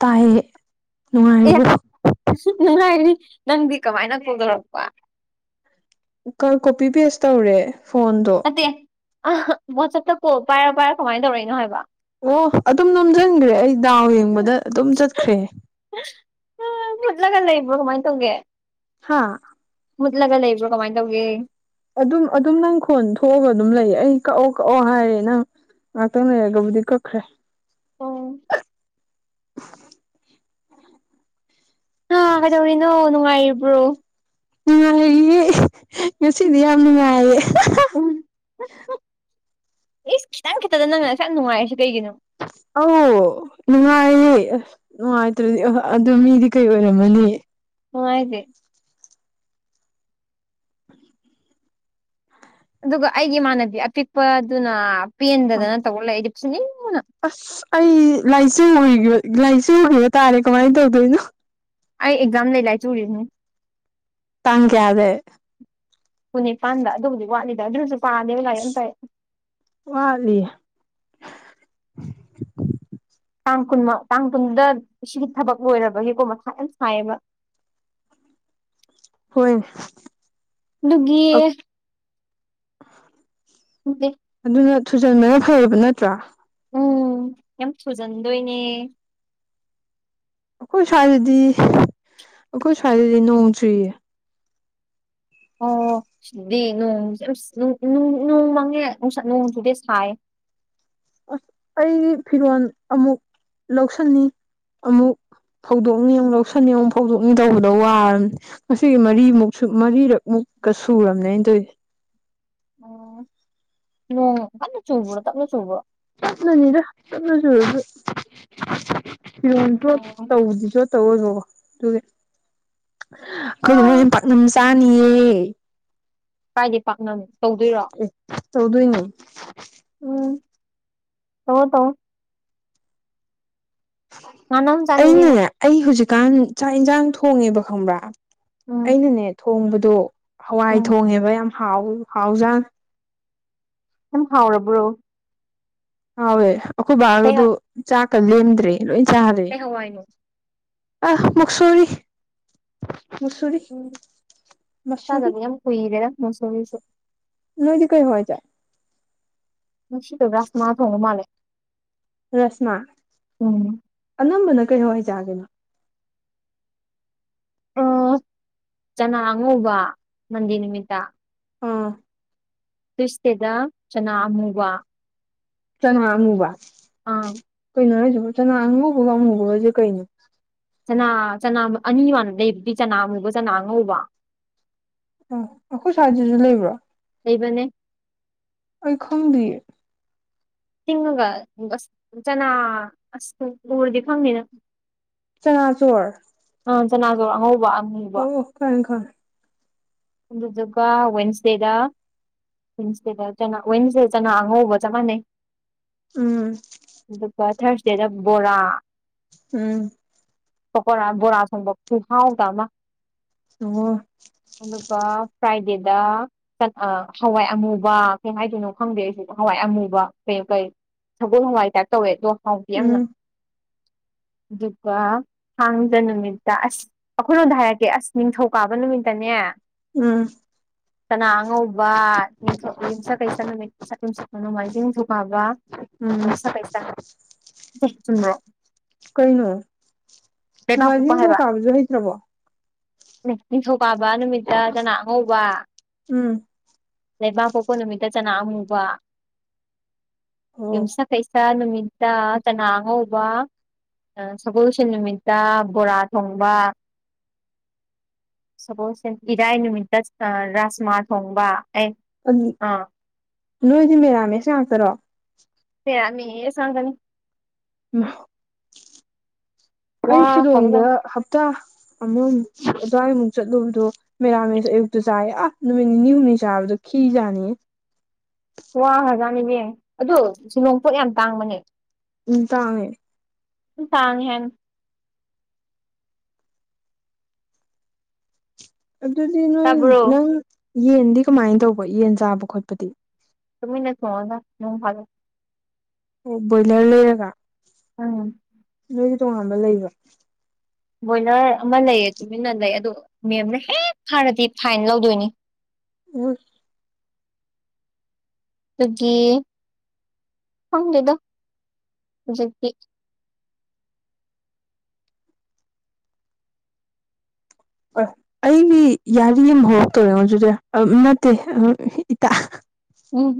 ꯇꯥꯏꯌ‌ꯦ ꯅꯨꯡꯉꯥꯏꯔꯤꯕ‌ꯣ ꯑꯩꯁꯨꯛ ꯅꯨꯡꯉꯥꯏꯔꯤ ꯅꯪꯗꯤ ꯀꯃꯥꯏꯅ ꯀ‌ꯣꯜ ꯇꯧꯔꯛꯄ ꯃꯨꯛꯀ ꯀꯣꯄꯤꯄ‌ꯦꯁ ꯇꯧꯔꯦ ꯐꯣꯟꯗꯣ ꯅꯠꯇꯦ ꯑ ꯋꯥꯠꯆꯞꯇ ꯀꯣꯜ ꯄꯥꯏꯔ ꯄꯥꯏꯔ ꯀꯃꯥꯏꯅ ꯇꯧꯔꯛꯏꯅꯣ ꯍꯥꯏꯕ ꯑꯣ ꯑꯗꯨꯝ ꯅꯝꯖꯟꯈ꯭ꯔꯦ ꯑꯩ ꯗꯥꯎ ꯌꯦꯡꯕꯗ ꯑꯗꯨꯝ ꯆꯠꯈ꯭ꯔꯦ [inaudible] ꯆꯠꯂꯒ ꯂꯩꯕ꯭ꯔꯣ ꯀꯃꯥꯏꯅ ꯇꯧꯒꯦ ꯍꯥꯥ ꯃꯨꯠꯂꯒ ꯂꯩꯕ꯭ꯔꯣ ꯀꯃꯥꯏꯅ ꯇꯧꯒꯦ ꯑꯗꯨꯝ ꯑꯗꯨꯝ ꯅꯪ ꯈꯣꯟ ꯊꯣꯛꯑꯒ ꯑꯗꯨꯝ ꯂꯩ ꯑꯩ ꯀꯛꯑꯣ ꯀꯛꯑꯣ ꯍꯥꯏꯔꯦ ꯅꯪ ꯉꯥꯛꯇꯪ ꯂꯩꯔꯒꯕꯨꯗꯤ ꯀꯛꯈ꯭ꯔꯦ ꯑ‌ꯣ ꯑ ꯀꯩꯗꯧꯔꯤꯅꯣ ꯅꯨꯡꯉꯥꯏꯔꯤꯕ꯭ꯔꯣ ꯅꯨꯡꯉꯥꯏꯔꯤꯌꯦ ꯉꯁꯤꯗꯤ ꯌꯥꯝ ꯅꯨꯡꯉꯥꯏꯌꯦ ꯎꯝ ꯏꯁ ꯈꯤꯇꯪ ꯈꯤꯇ‌ꯪꯗ ꯅꯪꯅ ꯑꯁꯨꯛꯌꯥꯝ ꯅꯨꯡꯉꯥꯏꯔꯤꯁ‌ꯦ ꯀꯩꯒꯤꯅꯣ [inaudible] ꯑꯧ ꯅꯨꯡꯉꯥꯏꯌꯦ ꯅꯨꯡꯉꯥꯏꯇ꯭ꯔꯗꯤ ꯑꯥ ꯑꯗꯨ ꯃꯤꯗꯤ ꯀꯩ ꯑꯣꯏꯔꯝꯃꯅꯤ ꯅ‌ꯣ ꯍꯥꯏꯖ‌ꯦ ꯑꯗꯨꯒ ꯑꯩꯒꯤ ꯏꯃꯥꯟꯅꯕꯤ ꯑꯄꯤꯛꯄꯗꯨꯅ ꯄꯦꯟꯗꯗꯅ ꯇꯧꯔ ꯂꯩ ꯑꯩꯗꯤ ꯐꯨꯅꯤꯡ ꯑꯁ ꯑꯩ ꯂꯥꯏꯆꯤꯡ ꯎꯏ ꯂꯥꯏꯆꯤꯡ ꯎꯏꯕ ꯇꯥꯔꯦ ꯀꯃꯥꯏꯅ ꯇꯧꯗꯣꯏꯅꯣ ꯑꯩ ꯑꯦꯛꯖꯥꯝ ꯂꯥꯏꯆꯨꯔꯤ ꯍꯨꯝ ꯇꯥꯡ ꯀꯌꯥꯗꯩ ꯀꯨꯅꯤꯄꯥꯟꯗ ꯑꯗꯨꯕꯨꯗꯤ ꯋꯥꯠꯂꯤꯗ ꯑꯗꯨꯖꯨ ꯄꯥꯗ‌ꯦꯕ ꯂꯥꯏꯔꯤꯛ ꯑꯝꯇ ꯑꯩ ꯋꯥꯠꯂꯤ ꯇꯥꯡ ꯀꯨꯟꯃ ꯇꯥꯡ ꯀꯨꯟꯗ ꯁꯤꯒꯤ ꯊꯕꯛ ꯂꯣꯏꯔꯕꯒꯤꯀꯣ ꯃꯊꯥ ꯌꯥꯝ ꯁꯥꯏꯌꯦꯕ [unintelligible] ꯍꯣꯏꯅꯦ ꯑꯗꯨꯒꯤ ꯑ ꯈꯪꯗꯦ ꯑꯗꯨꯅ ꯊꯨꯖꯟꯕꯅ ꯐꯔꯕ ꯅꯠꯇ꯭ꯔꯥ ꯎꯝ ꯌꯥꯝ ꯊꯨꯖꯟꯗꯣꯏꯅꯦ ꯑꯩꯈꯣꯏ ꯁ꯭ꯋꯥꯏꯗꯗꯤ ꯑꯩꯈꯣꯏ ꯁ꯭ꯋꯥꯏꯗꯗꯤ ꯅꯣꯡ ꯆꯨꯏꯌꯦ ꯑꯣ ꯗꯤ ꯅꯣꯡꯁꯦ ꯌꯝ ꯅ‌ꯣꯡ ꯅꯣꯡ ꯃꯪꯉꯦ ꯅꯣꯡ ꯆꯨꯗ‌ꯦ ꯁꯥꯏꯌ‌ꯦ ꯑꯁ ꯑꯩꯒꯤ ꯐꯤꯔꯣꯜ ꯑꯃꯨꯛ ꯂꯧꯁꯟꯅꯤ ꯑꯃꯨꯛ ꯐꯧꯗꯣꯛꯅꯤꯡ ꯑꯃꯨꯛ ꯂꯧꯁꯟꯅꯤꯡꯉꯨꯛ ꯐꯧꯗꯣꯛꯅꯤꯡ ꯇꯧꯕꯗ ꯋꯥꯔꯅꯤ ꯉꯁꯤꯒꯤ ꯃꯔꯤꯃꯨꯛꯁꯨ ꯃꯔꯤꯔꯛꯃꯨꯛ ꯀꯁꯨ ꯑꯃꯅꯦ ꯏꯟꯗꯣꯏꯏ ꯑꯣ ꯅꯣꯡ ꯀꯅ ꯆꯧꯕꯔꯣ ꯇꯝꯅ ꯆꯧꯧꯕꯔꯣ ꯅꯅꯤꯗꯁꯨꯔ ꯑꯗꯨ ꯐꯤꯔꯣ ꯆ ꯑꯣ ꯇꯧꯕꯗꯤꯁꯨ ꯇꯧꯔꯕꯕꯣ ꯑꯗꯨꯒꯤ ꯀꯈꯣꯏꯗ ꯑꯥ ꯑꯗꯨ ꯄꯥꯛꯅꯝ ꯆꯥꯅꯤꯌꯦ ꯀꯥꯏꯗ ꯄꯥꯛꯅꯣ ꯇꯧꯗꯣꯏꯔꯣ ꯆꯧꯗꯣꯏꯅꯤ ꯎꯝ ꯍ ꯇꯣ ꯉꯥꯅ ꯑꯃ ꯆꯥꯅꯤꯡꯉꯦꯉꯣ ꯑꯩꯅꯅꯦ ꯑꯩ ꯍꯧꯖꯤꯛꯀꯥꯟ ꯆꯥꯛ ꯏꯟꯁꯥꯡ ꯊꯣꯡꯉꯦꯕ ꯈꯪꯕ꯭ꯔꯥ ꯎꯝ ꯑꯩꯅꯅꯦ ꯊꯣꯡꯕꯗꯣ ꯍꯋꯥꯏ ꯎꯝ ꯊꯣꯡꯉꯦꯕ ꯌꯥꯝ ꯍꯥꯎ ꯍꯥꯎꯖꯥ ꯁ ꯍꯥꯎꯔꯕ꯭ꯔꯣ ꯍꯥꯎꯋꯦ ꯑꯩꯈꯣꯏ ꯀꯩ ꯍꯥ ꯚꯒꯗ ꯆꯥꯛꯀ ꯂꯦꯝꯗ꯭ꯔꯦ ꯂꯣꯏ ꯆꯥꯔꯦ ꯀꯩ ꯍꯋꯥꯏꯅꯣ ꯑ ꯃꯛꯁꯔꯤ ꯃꯁꯔꯤ ꯎꯝ ꯃꯁꯔꯤ ꯆꯥꯗꯕ ꯌꯥꯝ ꯀꯨꯏꯔꯦꯗ ꯃꯨꯁꯣꯔꯤꯁꯨ ꯅꯣꯏꯗꯤ ꯀꯩ ꯑꯣꯏꯖꯥꯏ ꯅꯅꯨꯡ ꯁꯤꯗ ꯭ꯔꯥꯁꯃꯅꯥ ꯊꯉ ꯃꯅꯦꯦ ꯔꯁꯃꯥ ꯎꯝ ꯑꯅꯝꯕꯅ ꯀꯩ ꯑꯣꯏꯣꯏ ꯆꯒꯦ ꯑ ꯆꯅꯥ ꯑꯉꯧꯕ ꯅꯟꯗꯤ ꯅꯨꯃꯤꯠꯇ ꯑꯥ ꯇꯨꯁꯇꯦꯗ ꯆꯅꯥ ꯑꯃꯨꯕ ꯆꯉ ꯑꯃꯨꯕ ꯑꯥ ꯆꯅ ꯑꯉꯃꯨꯒꯖꯤꯦ ꯀꯩꯅꯤ ꯆꯅꯥ ꯆꯅꯥ ꯑꯅꯤ ꯋꯥꯟ ꯂꯩꯕꯨꯗꯤ ꯆꯅꯥ ꯑꯃꯨꯕ ꯆꯅꯥ ꯑꯉꯧꯕ ꯑ ꯑꯩꯈꯣꯏ ꯁ꯭ꯋꯥꯏꯁꯤꯁꯨ ꯂꯩꯕ꯭ꯔꯣ ꯂꯩꯕꯅꯦ ꯑꯩ ꯈꯣꯡꯗꯤ ꯊꯤꯡꯉꯒ ꯖꯅꯥ ꯑꯁ ꯎꯨꯔꯗꯤ ꯐꯪꯅꯤꯅ ꯆꯅꯥꯆꯣꯔ ꯅꯥꯉꯧꯕ ꯑꯣ ꯈꯥꯏ ꯈꯥꯟ ꯗꯨꯒꯥ ꯋꯥꯋꯟꯁꯗꯦꯗꯥ ꯋꯁꯦꯗ ꯋꯦꯟꯁꯦꯅ ꯑꯉ ꯑꯣꯕ ꯆ ꯃꯥꯅꯦ ꯎꯝ ꯑꯗꯨꯒ ꯊꯥꯔꯁꯗꯦꯗ ꯕꯣꯔꯥ ꯎꯝ ꯀꯈꯕꯣꯔꯁꯪꯕꯣꯛꯨꯡ ꯍꯥꯎꯥꯎ ꯇꯃ ꯑꯣ ꯑꯗꯨꯒ ꯐ꯭ꯔꯥꯏꯗꯦꯗ ꯍꯋꯥꯏ ꯑꯃꯨꯕ ꯀꯩ ꯍꯥꯏꯗꯣꯏꯅꯣ ꯈꯪꯗꯦ ꯁꯤ ꯍꯋꯥꯏ ꯑꯃꯨꯕ ꯀꯩ ꯀꯩ ꯁꯒꯣꯜ ꯍꯋꯥꯏ ꯇꯥꯏꯞ ꯇꯧꯋꯦ ꯑꯗꯣ ꯍꯥꯎꯗꯤ ꯌꯥꯝꯅ ꯎꯝ [unintelligible] ꯑꯗꯨꯒ ꯊꯥꯡꯗ ꯅꯨꯃꯤꯠꯇ ꯑꯁ ꯑꯩꯈꯣꯏꯅꯣꯝꯗ ꯍꯥꯏꯔꯛꯀꯦ ꯑꯁ ꯅꯤꯡꯊꯧꯀꯥꯕ ꯅꯨꯃꯤꯠꯇꯅꯦ ꯎꯝ ꯀꯅꯥ ꯑꯉꯧꯕ ꯌꯨꯝꯆꯠ ꯀꯩꯁꯠ ꯅꯨꯃꯤꯠ ꯌꯨꯝꯁꯤꯠ ꯅꯣꯡꯃꯥꯏꯖꯤꯡ ꯅꯤꯡꯊꯧꯀꯥꯕ ꯎꯝ ꯎ ꯆꯐꯥꯏꯁꯥ ꯗꯦ ꯆꯨꯝꯕ꯭ꯔꯣ ꯂꯩꯕꯥꯛ ꯅꯃ ꯄꯣꯛꯄ ꯇꯕꯨ ꯍꯥꯏꯕ ꯀꯥꯞꯖ ꯍ꯭ꯔꯕꯣ ꯅꯤꯡꯊꯧꯀꯥꯕ ꯅꯨꯃꯤꯠꯇ ꯆꯅꯥ ꯑꯉꯧꯕ ꯎꯝ ꯂꯩꯕꯥꯛ ꯐꯥꯎꯕ ꯅꯨꯃꯤꯠꯇ ꯆꯅꯥ ꯑꯃꯨꯕ ꯑꯣ ꯌꯨꯝꯁ ꯀꯩꯁꯥ ꯅꯨꯃꯤꯠ ꯏꯇ ꯇꯅ ꯑꯉ ꯍꯕ ꯁꯒꯣꯜꯁꯦꯟ ꯅꯨꯃꯤꯠꯇ ꯕꯣꯔꯥ ꯊꯣꯡꯕ ꯁꯄꯣꯁꯦ ꯏꯔꯥꯏ ꯅꯨꯃꯤꯠꯇ ꯑ ꯔꯥꯁꯃꯥ ꯊꯣꯡꯕ ꯑꯩ ꯑꯗꯨ ꯑꯥ ꯅꯣꯏꯗꯤ ꯃꯦꯔꯥꯃꯦꯁ ꯉꯥꯛꯇꯔꯣ ꯍ ꯁꯒꯅꯤ ꯎ ꯋꯥ ꯑꯩ ꯁꯤꯂꯣꯡꯗ ꯈꯔꯖꯥꯠꯅꯤ ꯍꯞꯇꯥ ꯑꯃꯃ ꯑꯗꯨ꯭ꯋꯥꯏꯃꯨꯛ ꯆꯠꯂꯨꯕꯗꯣ ꯃꯦꯔꯥꯃꯦꯁ ꯑꯌꯨꯛꯇ ꯆꯥꯏꯌꯦ ꯑꯥ ꯅꯨꯃꯤꯠ ꯅꯤꯅꯤ ꯍꯨꯝꯅꯤ ꯆꯥꯕꯗꯣ ꯈꯤꯖꯥꯅꯤꯌꯦ [unintelligible] ꯋꯥ ꯍꯖꯥꯅꯤꯕ ꯑꯗꯨ ꯁꯤꯂꯣꯡꯄꯣꯠ ꯌꯥꯝ ꯇꯥꯡꯕꯅꯦ ꯎ ꯇꯥꯡꯃꯦꯦ ꯇꯥꯡ ꯍꯥꯏ ꯑꯗꯨꯗꯤ ꯅꯣꯏ ꯇꯥꯕ꯭ꯔꯣ ꯅꯪ ꯌꯦꯟꯗꯤ ꯀꯃꯥꯏꯅ ꯇꯧꯕ ꯌꯦꯟ ꯆꯥꯕ ꯈꯣꯠꯄꯗꯤ ꯇꯃꯤ ꯅ ꯊꯉꯗ ꯃ ꯐꯂꯦ ꯑꯣ ꯕꯣꯏꯂꯔ ꯂꯩꯔꯒ ꯑꯝ ꯣꯏꯗꯤ ꯇꯣꯉꯥꯟꯕ ꯂꯩꯕ ꯕꯣꯏꯂꯔ ꯑꯃ ꯂꯩꯌꯦ ꯇꯨꯃꯤꯟꯅ ꯂꯩ ꯑꯗꯣ ꯃꯦꯝꯅ ꯍꯦꯛ ꯐꯥꯔꯗꯤ ꯐꯥꯏꯟ ꯂꯧꯗꯣꯏꯅꯤ ꯎ ꯑꯗꯨꯒꯤ ꯐꯂꯗꯣ ꯍ ꯑꯩꯗꯤ ꯌꯥꯔꯤ ꯑꯃ ꯍꯧꯔꯛꯇꯧꯔꯦꯉꯣ ꯑꯗꯨꯗꯤ ꯅꯠꯇꯦ ꯏꯇꯥ ꯎꯝ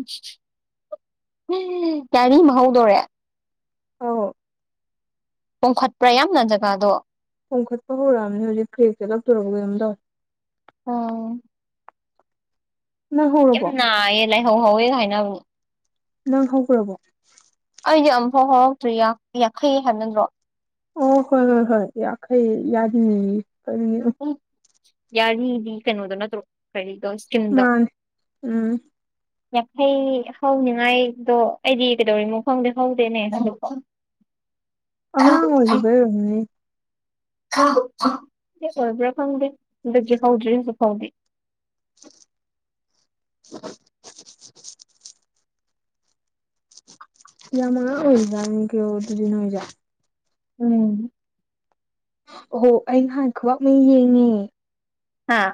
ꯌꯥꯔꯤ ꯃꯍ ꯍꯧꯧꯗꯣꯔꯦ ꯑꯧ ꯀꯣꯡꯈꯠꯄ꯭ꯔꯥ ꯌꯥꯝꯅ ꯖꯒꯥꯗꯣ ꯍꯣꯡꯈꯠꯄ ꯍꯧꯔꯛꯑꯕꯅꯦ ꯍꯧꯖꯤꯛ ꯀ꯭ꯔꯦꯦꯛꯁꯦ ꯂꯧꯇꯣꯔꯎ ꯀꯔꯝꯗꯧ ꯑꯝ ꯅꯍꯧꯔꯔꯕꯣ ꯂꯩ ꯍꯣ ꯍꯣꯏ ꯀꯥꯏꯅ ꯅꯪ ꯍꯛ ꯔꯔꯕꯣ ꯑꯩꯗꯤ ꯑꯃꯨꯐꯥꯎ ꯍꯧꯔꯛꯇ꯭ꯔꯤ ꯌꯥꯡꯈꯩ ꯍꯥꯏꯕ ꯅꯠꯇ꯭ꯔꯣ ꯑꯣ ꯍꯣꯏ ꯍꯣꯏ ꯍꯣꯏ ꯌꯥꯈꯩ ꯌꯥꯔꯤꯅꯤ ꯀꯔꯤꯅꯤ ꯎꯝ ꯌꯥꯔꯤꯗꯤ ꯀꯩꯅꯣꯗꯣ ꯅꯠꯇꯧ ꯀꯔꯤ ꯃꯥ ꯎꯝ ꯌꯥꯡꯈꯩ ꯍꯧꯅꯤꯉꯥꯏꯗꯣ ꯑꯩꯗꯤ ꯀꯩꯗꯧꯔꯤꯃꯣ ꯈꯪꯗꯤꯦ ꯍꯧꯗꯦꯅꯦ ꯑ ꯑꯉꯥꯡ ꯑꯣꯏꯗ ꯐꯔꯝꯅꯤ ꯑꯣꯏꯕ꯭ꯔꯥ ꯐꯪꯗꯦ ꯍꯧꯗꯗꯤ ꯐꯥꯎꯗ꯭ꯔꯤ ꯍꯧꯖꯤꯛ ꯐꯥꯎꯗꯦ [inaudible] ꯌꯥꯃꯥ ꯑꯣꯏꯖ ꯀꯦ ꯑꯗꯨꯗꯟ ꯍꯖ ꯎꯝ ꯑꯣꯣ ꯑꯩ ꯉꯍ ꯈꯕ ꯃꯩ ꯌꯦꯡꯉꯦ ꯍꯥꯥ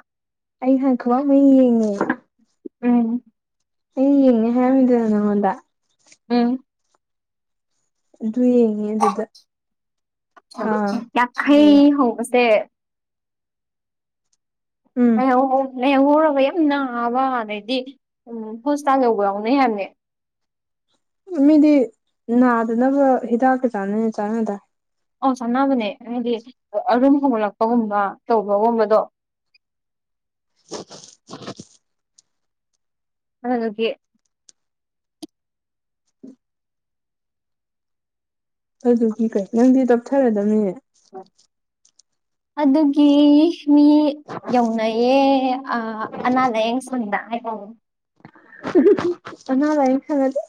ꯑꯩꯍ ꯈꯨꯋꯥ ꯃ ꯌꯦꯡꯉ ꯎꯝ ꯑꯩ ꯌꯦꯡꯉꯦ ꯍꯥꯏꯔꯃꯤꯗꯅ ꯅꯉꯣꯟꯗ ꯎꯝ ꯑꯗꯨ ꯌꯦꯡꯉꯦ ꯑꯗꯨꯗ ꯑꯥ ꯌꯥꯡꯈꯩ ꯀꯔꯤꯕ ꯍꯧꯕꯁꯦ ꯎꯝ ꯂꯡꯍꯧꯔꯕ ꯌꯥꯝ ꯅꯥꯕ ꯑꯗꯩꯗꯤ ꯎꯝ ꯍꯣꯁꯄꯤꯇꯥꯜ ꯌꯧꯕ ꯌꯥꯎꯅꯩ ꯍꯥꯏꯕꯅꯤ ꯃꯤꯗꯤ ꯅꯥꯗꯅꯕ ꯍꯤꯗꯥꯛꯀ ꯆꯥꯅꯩꯅꯦ ꯆꯥꯅꯗ ꯑ ꯁꯥꯟꯅꯕꯅꯦ ꯍꯥꯏꯗꯤ ꯑꯔꯨꯝ ꯍꯧꯒꯠꯂꯛꯄꯒꯨꯝꯕ ꯇꯧꯕꯒꯨꯝꯕꯗꯣ [inaudible] ꯑ ꯅ ꯀꯦ ꯑꯗꯨꯗꯤꯤ ꯀꯩ ꯅꯪꯗꯤ ꯇꯞꯊꯔꯗꯅꯤ ꯑꯗꯨꯒꯤ ꯃꯤ ꯌꯧꯅꯩꯌꯦ ꯑꯅꯥ ꯂꯥꯏꯌꯦꯡ ꯁꯅ ꯍꯥꯏ ꯅꯥ ꯂꯥꯏ ꯈꯪꯒꯅꯤ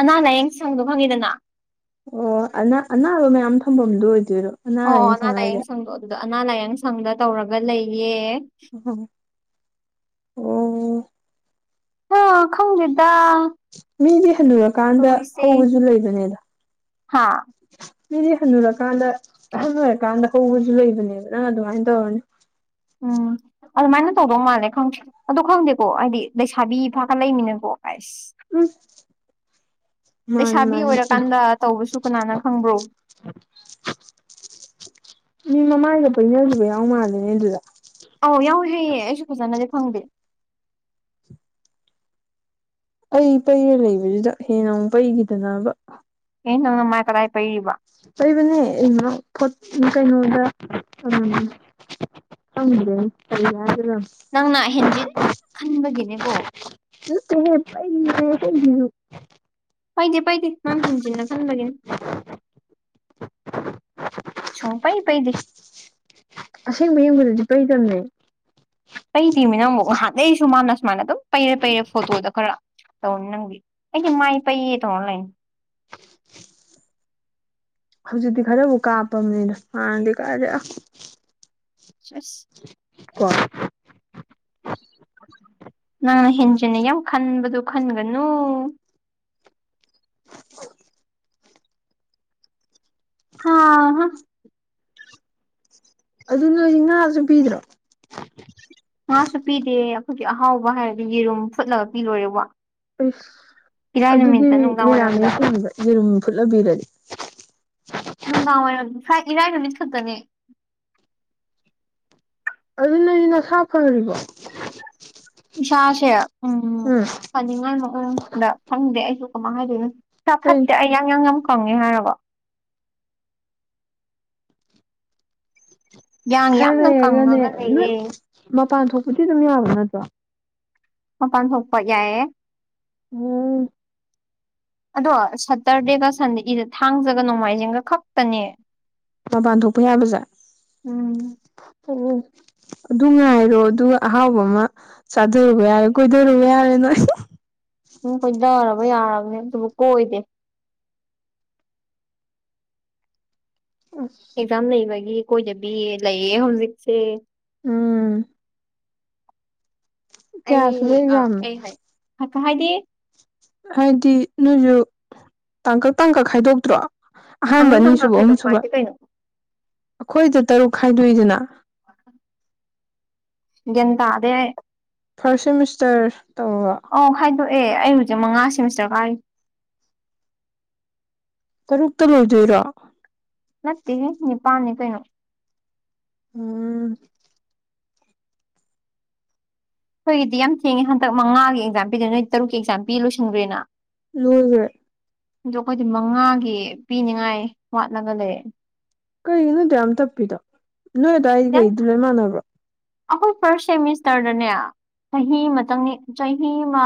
ꯑꯅꯥ ꯂꯥꯌꯦꯡ ꯁꯪꯗꯣ ꯐꯪꯉꯤꯗꯅ ꯑꯣ ꯑ ꯑꯅꯥꯕ ꯃꯌꯥꯝ ꯊꯝꯐꯝꯗꯣ ꯑꯣꯏꯗꯣꯏꯔꯣ ꯑꯅꯥꯔ ꯑꯩꯅ ꯁꯉꯥꯏꯁꯦ ꯑꯗꯣ ꯑꯅꯥ ꯂꯥꯏꯌꯦꯡ ꯁꯪꯗ ꯇꯧꯔꯒ ꯂꯩꯌꯦ ꯑ ꯑꯣ ꯑꯥ ꯈꯪꯗꯗ ꯃꯤꯗꯤ ꯍꯟꯟꯅꯨꯔꯀꯥꯟꯗ ꯍꯧꯕꯁꯨ ꯂꯩꯕꯅꯦꯗ ꯍꯥ ꯃꯤꯗꯤ ꯍꯟꯅꯨꯔꯀꯥꯟꯗ ꯍ ꯂꯣꯏꯔꯀꯥꯟꯗ ꯍꯧꯕꯁꯨ ꯂꯩꯕꯅꯦꯕ ꯅꯪ ꯑꯗꯨꯃꯥꯏꯅ ꯇꯧꯔꯅꯤ ꯎꯝ ꯑꯗꯨꯃꯥꯏꯅ ꯇꯧꯗꯧ ꯃꯥꯜꯂꯦ ꯈꯪꯗꯦ ꯑ ꯈꯪꯗꯦꯀꯣ ꯍꯥꯏꯗꯤ ꯂꯩꯁꯥꯕꯤ ꯐꯥꯀꯠ ꯂꯩꯃꯤꯅꯀꯣ ꯎꯝ ꯃꯥꯅꯦ ꯂꯩꯁꯥꯕꯤ ꯃꯥꯅꯦ ꯑꯣꯏꯔꯀꯥꯟꯗ ꯇꯧꯕꯁꯨ ꯀꯅꯥꯅ ꯈꯪꯕ꯭ꯔꯣ ꯃꯤ ꯃꯃꯥꯏꯒ ꯄꯣꯏꯅꯈꯤꯕ ꯌꯥꯎ ꯃꯥꯜꯂꯦꯅꯦ ꯑꯗꯨꯗ ꯑꯧ ꯌꯥꯎꯋꯤ ꯍꯩꯌꯦ ꯑꯩꯁꯨ ꯐꯖꯅꯗꯤ ꯐꯪꯗꯦ ꯑꯩ ꯄꯩꯔ ꯂꯩꯕꯁꯤꯗ ꯍꯦꯟꯅ ꯑꯃꯨꯛ ꯄꯩꯈꯤꯗꯅꯕ ꯌꯦ ꯇꯣ ꯃꯥꯏ ꯀꯥꯏ ꯄꯩꯕ ꯂꯩꯕꯅꯦ ꯑꯩꯅꯣꯠ ꯀꯩꯅꯣꯗ ꯍꯪꯦ ꯌꯥ꯭ꯔ ꯅꯪꯅ ꯍꯦꯟꯖꯤꯟ ꯈꯟꯕꯒꯤꯅꯦꯀꯣ ꯊꯨ ꯄꯥꯏꯗꯦ ꯄꯥꯏꯗꯦ ꯅꯪ ꯍꯦꯟꯖꯤꯟꯅ ꯈꯟꯕꯒꯤꯅꯤ ꯁꯣꯡꯄꯩ ꯄꯩꯗꯤ ꯑꯁꯦꯡꯕ ꯌꯦꯡꯕꯗꯗꯤ ꯀꯩꯗꯝꯅꯦ ꯄꯩꯇꯃꯤꯅ ꯑꯃꯨꯛ ꯉꯍꯥꯟꯗꯩꯁꯨ ꯃꯥꯅ ꯁꯨꯃꯥꯏꯅ ꯑꯗꯨꯝ ꯄꯩꯔꯦ ꯄꯩꯔꯦ ꯐꯣꯇꯣꯗ ꯈꯔ ꯇꯧ ꯅꯪꯒꯤ ꯑꯩꯗꯤ ꯃꯥꯏ ꯄꯩꯌꯦ ꯇ ꯑꯣꯟꯂꯥꯏꯟ ꯍꯧꯖꯤꯛꯇꯤ ꯈꯔꯕꯨꯥꯎ ꯀꯥꯞꯄꯅꯤꯅ ꯍꯥꯟꯅꯗꯤ ꯀꯥꯔꯦ ꯑ ꯆꯁ ꯀꯣꯏ ꯅꯪꯅ ꯍꯦꯟꯖꯤꯟꯅ ꯌꯥꯝ ꯈꯟꯕꯗꯣ ꯈꯟꯒꯅꯨ [inaudible] ꯍꯥꯥ ꯑꯗꯨ ꯅꯣꯏꯗꯤ ꯉꯥꯁꯨ ꯄꯤꯗ꯭ꯔꯣ ꯉꯥꯁꯨ ꯄꯤꯗꯦ ꯑꯩꯈꯣꯏꯒꯤ ꯑꯍꯥꯎꯕ ꯍꯥꯏꯔꯗꯤ ꯌꯦꯔꯨꯝ ꯐꯨꯠꯂꯒ ꯄꯤ ꯂꯣꯏꯔꯦꯕ ꯑꯩꯁ ꯑꯗꯨꯗꯤ ꯃꯦꯔꯥꯅ ꯋꯥꯏꯔꯝꯗ ꯍꯣꯟꯕ ꯌꯦꯔꯨꯝ ꯐꯨꯠꯅꯕꯤꯔꯅꯤ ꯅꯨꯡꯗꯥꯡꯋꯥꯏꯔꯝ ꯏꯔꯥꯏ ꯅꯨꯃꯤꯠ ꯈꯛꯇꯅꯦ ꯑꯗꯨꯅꯗꯤ ꯅꯁꯥ ꯐ꯭ꯔꯤꯕ ꯏꯁꯥꯁꯦ ꯎꯝ ꯐꯅꯤꯡꯉꯥꯏ ꯃꯑꯣꯡꯗ ꯈꯪꯗꯦ ꯑꯩꯁꯨ ꯀꯃꯥꯏꯅ ꯍꯥꯏꯗꯣꯏꯅꯣ ꯁꯥ ꯍꯣꯏ ꯐꯠꯇꯦ ꯑꯩ ꯌꯥꯡ ꯌꯥꯡ ꯌꯥꯝ ꯀꯪꯉꯦ ꯍꯥꯏꯔꯕ ꯌꯥꯡ ꯈꯔ ꯌꯥꯝꯅ ꯂꯩꯔꯒꯅꯦ ꯀꯪꯉꯒ ꯅꯣꯏ ꯂꯩꯌꯦ ꯃꯄꯥꯟ ꯊꯣꯛꯄꯗꯤ ꯑꯗꯨꯝ ꯌꯥꯕ ꯅꯠꯇ꯭ꯔꯣ ꯃꯄꯥꯟ ꯊꯣꯛꯄ ꯌꯥꯏꯑꯌꯦ ꯎꯝ ꯑꯗꯣ ꯁꯇꯔꯗꯦꯒ ꯁꯟꯗꯦꯒꯤꯗ ꯊꯥꯡꯖꯒ ꯅꯣꯡꯃꯥꯏꯖꯤꯡꯒ ꯈꯛꯇꯅꯦ ꯃꯄꯥꯟ ꯊꯣꯛꯄ ꯌꯥꯕꯖꯥ ꯎꯝ ꯎ ꯑꯗꯨ ꯉꯥꯏꯔꯣ ꯑꯗꯨꯒ ꯑꯍꯥꯎꯕ ꯑꯃ ꯆꯥꯊꯔꯨꯕ ꯌꯥꯔꯦ ꯀꯣꯏꯊꯔꯨꯕ ꯌꯥꯔꯦ ꯅꯣꯏ ꯎꯝ ꯈꯣꯏꯊꯔꯕ ꯌꯥꯔꯕꯅꯦ ꯑꯗꯨꯕꯨ ꯀꯣꯏꯗꯦ ꯑꯦꯛꯖꯥꯝ ꯂꯩꯕꯒꯤ ꯀꯣꯏꯗꯕꯤ ꯂꯩꯌꯦ ꯍꯧꯖꯤꯛꯁꯦ ꯎꯝ ꯀꯌꯥꯁꯨ ꯂꯩ ꯌꯥꯝꯝꯃꯦ ꯀꯥꯏꯗꯤ ꯍꯥꯏꯗꯤ ꯅꯣꯏꯁꯨ ꯇꯥꯡꯀꯛ ꯇꯪꯀꯛ ꯈꯥꯏꯗꯣꯛꯇ꯭ꯔꯣ ꯑꯍꯥꯟꯕ ꯇꯪꯈꯛ ꯇꯪꯈꯛ ꯑꯅꯤꯁꯨꯕ ꯑꯍꯨꯝ ꯈꯥꯏꯗꯣꯛꯄ ꯁꯕ ꯍꯥꯏꯗꯤ ꯀꯩꯅꯣ ꯑꯩꯈꯣꯏꯗ ꯇꯔꯨꯛ ꯈꯥꯏꯗꯣꯏꯗꯅ ꯦꯇ ꯑꯗꯦ ꯐꯥꯔꯁ ꯁꯤꯦꯃꯤꯁꯇꯔ ꯑ ꯈꯥꯏꯗꯣꯛꯑꯦ ꯑꯩ ꯍꯧꯖꯤꯛ ꯃꯉꯥ ꯁꯦꯃꯤꯁꯇꯔ ꯀꯥꯔꯤ ꯀꯔꯨꯛꯇ ꯂꯩꯗꯣꯏꯔꯥ ꯅꯠꯇꯦ ꯅꯤꯄꯥꯜꯅꯤ ꯀꯩꯅꯣ ꯎꯝ ꯑꯩꯈꯣꯏꯗꯤ ꯌꯥꯝ ꯊꯦꯡꯉꯦ ꯍꯟꯗꯛ ꯃꯉꯥꯒꯤ ꯑꯦꯛꯖꯥꯝ ꯄꯤꯗꯣꯏꯅꯤ ꯅꯣꯏ ꯇꯔꯨꯛꯀꯤ ꯑꯦꯛꯖꯥꯝ ꯄꯤ ꯂꯣꯏꯁꯤꯟꯈ꯭ꯔꯦꯅ ꯂꯣꯡꯦ ꯑ ꯑꯩꯈꯣꯏꯗꯤ ꯃꯉꯥꯒꯤ ꯄꯤꯅꯤꯉꯥꯏ ꯋꯥꯠꯂꯒ ꯂꯩ ꯀꯔꯤꯒꯤꯅꯣꯠꯇ ꯌꯥꯝ ꯇꯞꯄꯤꯗꯣ ꯅꯣꯏ ꯑꯗꯥꯋꯥꯏ ꯌꯥꯝ ꯀꯩꯗꯨ ꯂꯣꯏ ꯃꯥꯟꯅꯕ꯭ꯔꯣ ꯑꯩꯈꯣꯏ ꯐꯥꯔꯁ ꯁꯦꯃꯤꯁꯇꯔꯗꯅꯦ ꯆꯍꯤ ꯑꯃꯇꯪ ꯆꯍꯤꯃ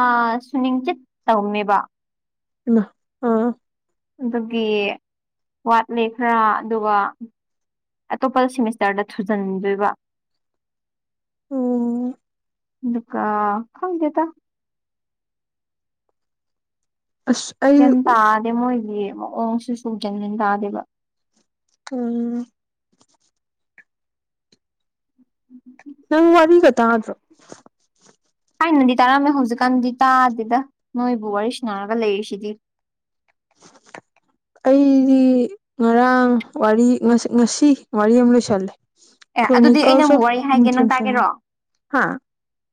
ꯁꯨ ꯅꯤꯡꯆꯤꯠ ꯇꯧꯃꯦꯕ ꯑ ꯑꯥ ꯑꯗꯨꯒꯤ ꯋꯥꯠꯂꯦ ꯈꯔ ꯑꯗꯨꯒ ꯑꯇꯣꯞꯄ ꯁꯤꯦꯃꯤꯁꯇꯔꯗ ꯊꯨꯖꯤꯟꯗꯣꯏꯕ ꯑꯣ ꯗꯨꯀ ꯈꯪꯗꯦ ꯇ ꯑꯁ ꯑꯩ ꯟ ꯇꯥꯗꯦ ꯃꯣꯏꯒꯤ ꯃꯑꯣꯡꯁꯤ ꯁꯨꯖꯟꯖꯟ ꯇꯥꯗꯦꯕ ꯎꯝ ꯎꯝ ꯅꯪ ꯋꯥꯔꯤꯔꯤꯒ ꯇ꯭ꯔꯣ ꯊꯥꯏꯅꯗꯤ ꯇꯥꯔꯝꯃꯦ ꯍꯧꯖꯤꯛꯀꯥꯟꯗꯤ ꯇꯥꯗꯦꯗ ꯅꯣꯏꯕꯨ ꯋꯥꯔꯤ ꯁꯅꯔꯒ ꯂꯩꯔꯤꯁꯤꯗꯤ [unintelligible] ꯑꯩꯗꯤ ꯉꯔꯥꯡ ꯋꯥꯔꯤ ꯉꯁꯤ ꯋꯥꯔꯤ ꯑꯃ ꯂꯣꯏꯁꯜꯂꯦ ꯑꯦ ꯑꯗꯨꯗꯤ ꯑꯩ ꯀ꯭ꯔꯣꯅꯤꯀꯜꯁ ꯅꯪꯕꯨ ꯋꯥꯔꯤ ꯍꯥꯏꯒꯦ ꯑꯣꯐꯊ ꯅꯪ ꯁ ꯇꯥꯒꯦꯔꯣ ꯍꯥ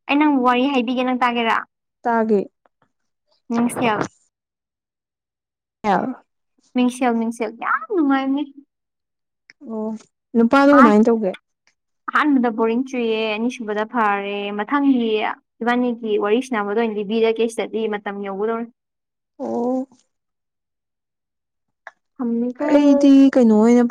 ꯑꯩ ꯅꯪ ꯋꯥꯔꯤ ꯍꯥꯏꯕꯤꯒꯦ ꯅꯪ ꯇꯥꯒꯦꯔꯥ ꯍꯥꯏꯦ ꯅꯤꯡꯁꯤꯌꯥ ꯑ ꯃꯤꯡꯁꯦꯜ ꯃꯤꯡꯁꯦꯜ ꯌꯥꯝ ꯅꯨꯡꯉꯥꯏꯅꯤ ꯑꯣ ꯅꯨꯄꯥꯗꯨꯣ ꯀꯃꯥꯏꯅ ꯇꯧꯒꯦ ꯑꯍꯥꯟꯕꯗ ꯕꯣꯔꯤꯡ ꯆꯨꯏꯌꯦ ꯑꯅꯤꯁꯨꯕꯗ ꯐꯔꯦ ꯃꯊꯪꯒꯤ ꯏꯕꯥꯅꯤꯒꯤ ꯋꯥꯔꯤ ꯁꯅꯕꯗꯣ ꯕꯤꯔ ꯀꯦꯁꯇꯗꯤ ꯃꯇꯝ ꯌꯧꯒꯗꯣ ꯑꯣ ꯊꯝꯃꯦꯀꯣ ꯑꯩꯗꯤ ꯀꯩꯅꯣ ꯑꯣꯏꯅ